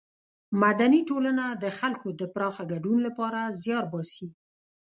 مدني ټولنه د خلکو د پراخه ګډون له پاره زیار باسي.